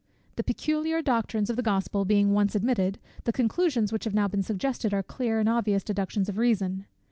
The peculiar doctrines of the Gospel being once admitted, the conclusions which have been now suggested are clear and obvious deductions of reason.